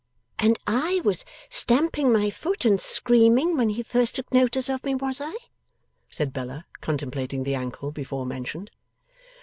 'And I was stamping my foot and screaming, when he first took notice of me; was I?' said Bella, contemplating the ankle before mentioned.